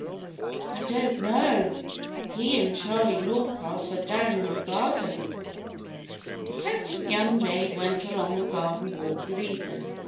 " "I don't know. He and Charley Norcross are down in the garden." The pleasant young maid went along the garden walk with Evelyn.